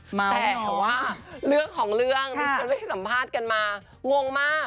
เหมือนกันเหรอวะแต่เลือกของเรื่องที่ฉันไปสัมภาษณ์กันมางงมาก